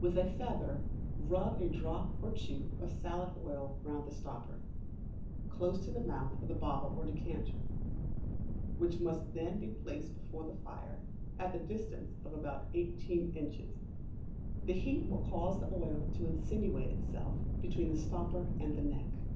With a feather rub a drop or two of salad oil round the stopper, close to the mouth of the bottle or decanter, which must then be placed before the fire, at the distance of about eighteen inches; the heat will cause the oil to insinuate itself between the stopper and the neck.